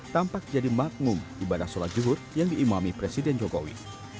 tampak jadi makmum ibadah sholat juhur yang diimami presiden jokowi